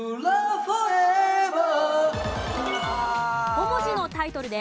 ５文字のタイトルです。